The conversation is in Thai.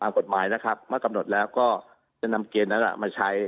กฎหมายนะครับเมื่อกำหนดแล้วก็จะนำเกณฑ์นั้นมาใช้